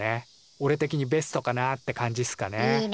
おれ的にベストかなって感じっすかね。